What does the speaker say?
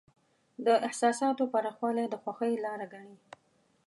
د احساساتو پراخوالی د خوښۍ لاره ګڼي.